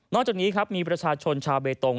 จากนี้ครับมีประชาชนชาวเบตง